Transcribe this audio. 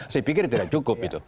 saya pikir itu tidak cukup itu